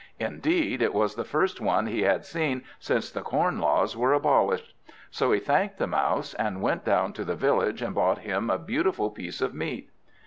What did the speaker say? Indeed, it was the first one he had seen since the Corn Laws were abolished. So he thanked the Mouse, and went down to the village, and bought him a beautiful piece of meat.